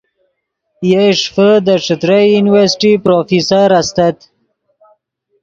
یئے ݰیفے دے ݯتریئی یونیورسٹی پروفیسر استت